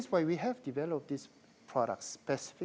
itulah sebabnya kita membuat produk ini